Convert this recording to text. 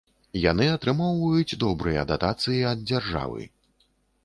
Яны атрымоўваюць добрыя датацыі ад дзяржавы.